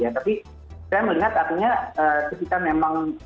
ya tapi saya melihat artinya kita memang